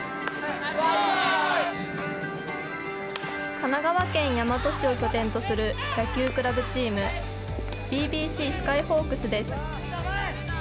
神奈川県大和市を拠点とする野球クラブチーム、ＢＢＣスカイホークスです。